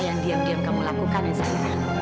yang diam diam kamu lakukan ya zahira